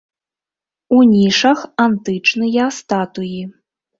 У нішах антычныя статуі.